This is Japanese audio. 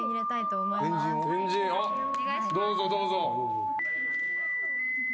円陣どうぞどうぞ。